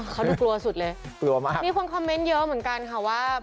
เขาดูกลัวสุดเลยกลัวมากมีคนคอมเมนต์เยอะเหมือนกันค่ะว่า